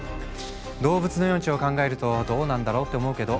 動物の命を考えるとどうなんだろうって思うけど。